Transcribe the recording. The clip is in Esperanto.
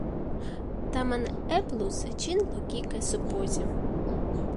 Tamen eblus ĝin logike supozi!